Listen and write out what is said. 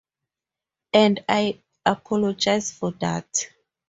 And I apologize for that.